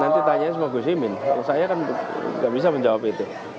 nanti tanya semua gusimin kalau saya kan gak bisa menjawab itu